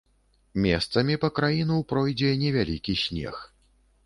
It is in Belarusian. Месцамі па краіну пройдзе невялікі снег.